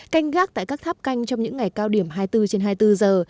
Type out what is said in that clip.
canh gác tại các tháp canh trong những ngày cao điểm hai mươi bốn trên hai mươi bốn giờ